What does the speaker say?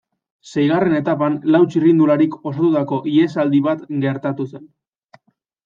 Seigarren etapan lau txirrindularik osatutako ihesaldi bat gertatu zen.